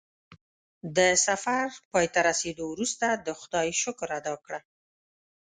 د سفر پای ته رسېدو وروسته د خدای شکر ادا کړه.